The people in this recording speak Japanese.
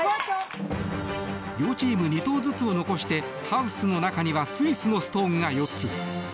両チーム２投ずつを残してハウスの中にはスイスのストーンが４つ。